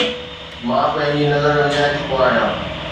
مان تنهنجي نظر وڃائي چڪو آهيان